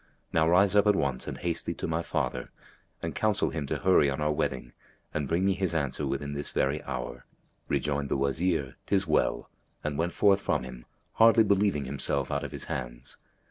Now rise up at once and haste thee to my father and counsel him to hurry on our wedding and bring me his answer within this very hour." Rejoined the Wazir, "'Tis well!" and went forth from him, hardly believing himself out of his hands.